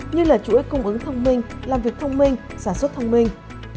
như là chuỗi cung ứng thông minh làm việc thông minh sản xuất thông minh